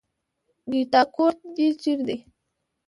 ګيتا کور دې چېرته دی.